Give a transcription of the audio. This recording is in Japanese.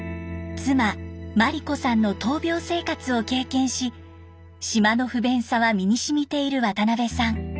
妻眞理子さんの闘病生活を経験し島の不便さは身にしみている渡邊さん。